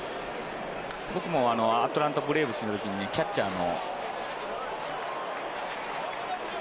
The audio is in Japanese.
僕もアトランタ・ブレーブスの時にキャッチャーの。